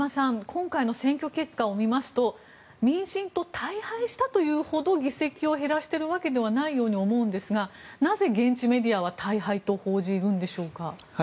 今回の選挙結果を見ますと民進党大敗したというほど議席を減らしたとは思えないんですがなぜ、現地メディアは大敗と報じるのでしょうか。